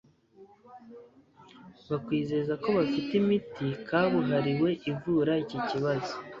bakwizeza ko bafite imiti kabuhariwe ivura iki kibazo